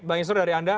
bang insur dari anda